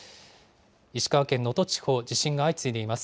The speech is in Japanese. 石川県能登地方、地震が相次いでいます。